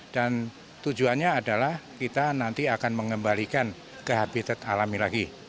dan tujuannya adalah kita nanti akan mengembalikan ke habitat alami lagi